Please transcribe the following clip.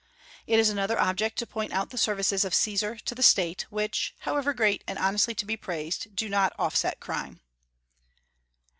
It is another object to point out the services of Caesar to the State, which, however great and honestly to be praised, do not offset crime.